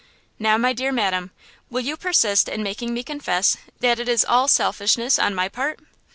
"Now, my dear madam, will you persist in making me confess that it is all selfishness on my part?